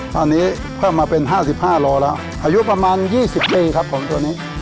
ตอนนี้เพิ่มมาเป็น๕๕โลแล้วอายุประมาณ๒๐ปีครับผมตัวนี้